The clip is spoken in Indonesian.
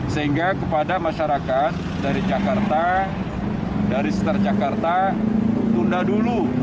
sehingga kepada masyarakat dari jakarta dari start jakarta tunda dulu